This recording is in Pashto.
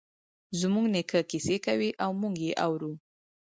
زموږ نیکه کیسې کوی او موږ یی اورو